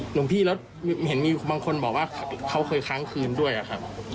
หลวงพี่แล้วเห็นมีบางคนบอกว่าเขาเคยค้างคืนด้วยอะครับ